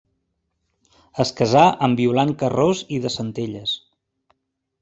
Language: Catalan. Es casà amb Violant Carròs i de Centelles.